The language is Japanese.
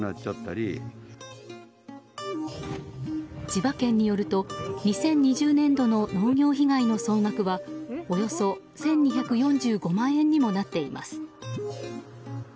千葉県によると２０２０年度の農業被害の総額はおよそ１２４５万円にもなっています。